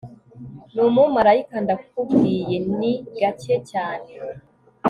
ni umumarayika ndakubwiye, ni gake cyane